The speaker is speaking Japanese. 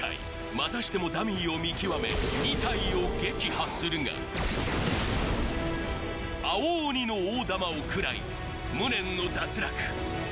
またしてもダミーを見極め２体を撃破するが青鬼の大玉を食らい無念の脱落